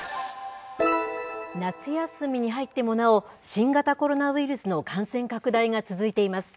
夏休みに入ってもなお、新型コロナウイルスの感染拡大が続いています。